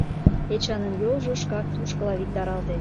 Эчанын йолжо шкак тушкыла виктаралте.